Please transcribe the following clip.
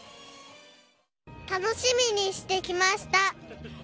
楽しみにして来ました。